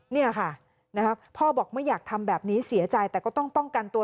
เนี่ยค่ะพ่อบอกไม่อยากทำแบบนี้เสียใจแต่ก็ต้องป้องกันตัว